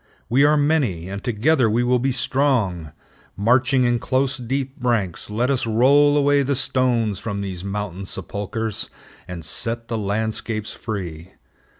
We are many, and together we will be strong. Marching in close, deep ranks, let us roll away the stones from these mountain sepulchers, and set the landscapes free.